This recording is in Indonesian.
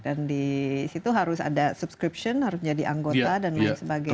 dan di situ harus ada subscription harus jadi anggota dan lain sebagainya